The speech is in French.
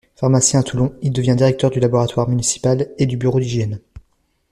Pharmacien à Toulon, il devient directeur du laboratoire municipal et du bureau d'hygiène.